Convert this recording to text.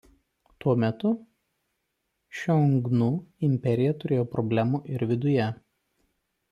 Tuo metu Šiongnu imperija turėjo problemų ir viduje.